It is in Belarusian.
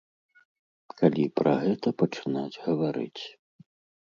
Калі пра гэта пачынаць гаварыць.